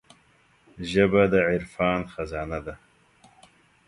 ژبه د عرفان خزانه ده